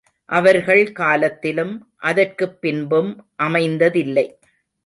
அவர்கள் காலத்திலும், அதற்குப் பின்பும் அமைந்ததில்லை.